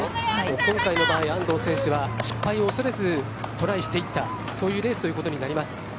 今回の場合、安藤選手は失敗を恐れずトライしていったそういうレースということになります。